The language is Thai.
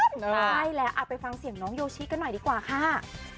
ใช่แล้วไปฟังเสียงน้องโยชิกันหน่อยดีกว่าค่ะ